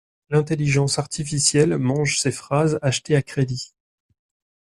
L'intelligence artificielle mange ces phrases achetées à crédit.